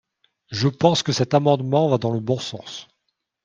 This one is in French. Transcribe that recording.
Je pense que cet amendement va dans le bon sens.